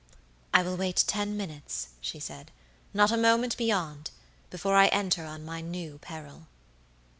"I will wait ten minutes," she said, "not a moment beyond, before I enter on my new peril."